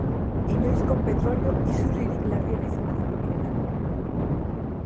Inoizko petrolio isuririk larriena izan da Filipinetan.